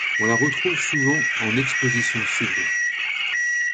On la retrouve souvent en exposition sud.